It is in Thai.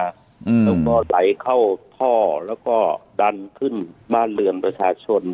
แล้วก็ไหลเข้าท่อแล้วก็ดันขึ้นบ้านเรือนประชาชน